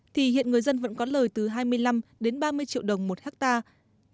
thì hiện người dân vẫn có lời từ hai mươi năm đến ba mươi triệu đồng một hectare